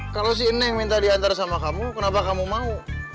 kalau si eneng minta diantar sama kamu kenapa kamu mau